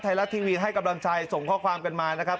ไทยรัฐทีวีให้กำลังใจส่งข้อความกันมานะครับ